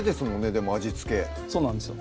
でも味付けそうなんですよ